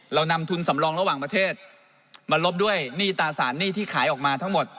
เรานำทุนสำรองระหว่างประเทศมาลบด้วยหนี้ตราสารหนี้ที่ขายออกมาทั้งหมด